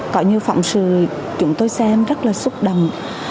coi như phỏng sư chúng tôi xem rất là xúc động